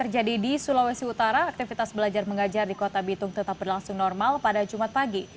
jadi di sulawesi utara aktivitas belajar mengajar di kota bitung tetap berlangsung normal pada jumat pagi